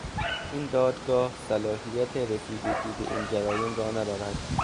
این دادگاه صلاحیت رسیدگی به این جرایم را ندارد.